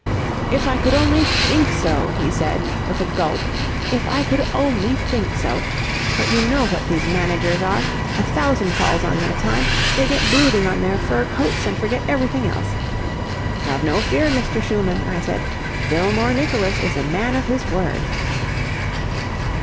'If I could only think so!' he said with a gulp. 'If I could only think so. But you know what these managers are. A thousand calls on their time. They get brooding on their fur coats and forget everything else.' 'Have no fear, Mr. Schumann,' I said. 'Fillmore Nicholas is a man of his word.'"